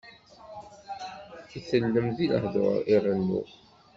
Itellem di lehduṛ, irennu.